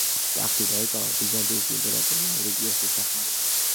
ტახტი დაიკავა ბიზანტიის იმპერატორ მავრიკიოსის დახმარებით.